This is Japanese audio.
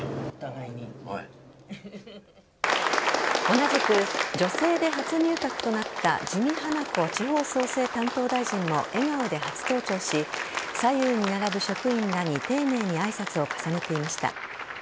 同じく女性で初入閣となった自見英子地方創生担当大臣も笑顔で初登庁し左右に並ぶ職員らに丁寧に挨拶を重ねていました。